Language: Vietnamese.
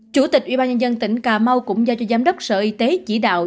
chủ tịch ubnd tỉnh cà mau cũng giao cho giám đốc sở y tế chỉ đạo